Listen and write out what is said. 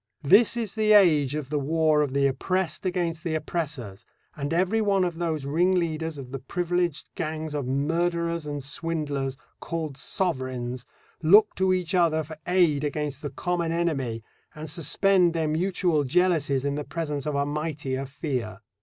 This is the age of the war of the oppressed against the oppressors, and every one of those ringleaders of the privileged gangs of murderers and swindlers, called Sovereigns, look to each other for aid against the common enemy, and suspend their mutual jealousies in the presence of a mightier fear.